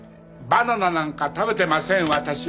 バナナなんか食べてません私は。